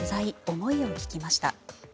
思いを聞きました。